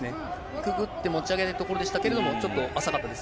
くぐって持ち上げるところでしたけれども、ちょっと浅かったです